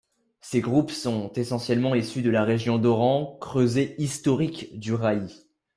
Ces groupes sont essentiellement issus de la région d’Oran, creuset historique du Raï.